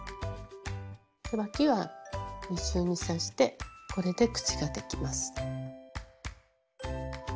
わきは２重に刺してこれで口ができます。